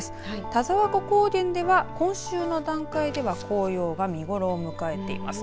田沢湖高原では、今週の段階では紅葉が見頃を迎えています。